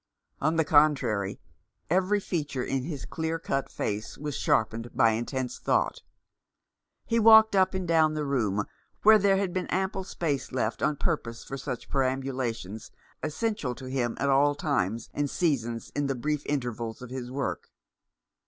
On the contrary, every feature in his clear cut face was sharpened by intense thought. He walked up 338 The Man behind the Mask. and down the room, where there had been ample space left on purpose for such perambulations, essential to him at all times and seasons in the brief intervals of his work.